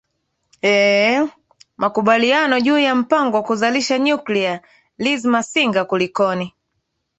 ee makubaliano juu ya mpango wa kuzalisha nuclear liz masinga kulikoni